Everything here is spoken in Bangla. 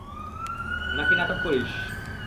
না কি নাটক করিস?